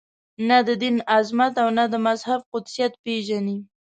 نه د دین عظمت او نه د مذهب قدسیت پېژني.